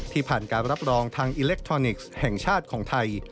ผ่านการรับรองทางอิเล็กทรอนิกส์แห่งชาติของไทย